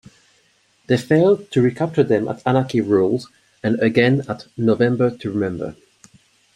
They failed to recapture them at Anarchy Rulz and again at November to Remember.